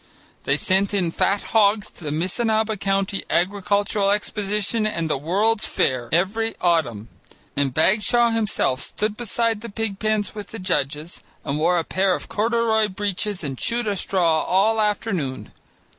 They sent in fat hogs to the Missinaba County Agricultural Exposition and the World's Fair every autumn, and Bagshaw himself stood beside the pig pens with the judges, and wore a pair of corduroy breeches and chewed a straw all afternoon.